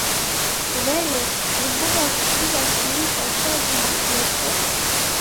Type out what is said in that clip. W'elee, ni bugha kusigha simu kwa chaji nakio chee?